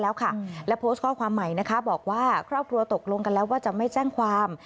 แล้วค่ะและโพสต์ข้อความใหม่นะคะบอกว่าครอบครัวตกลงกันแล้วว่าจะไม่แจ้งความ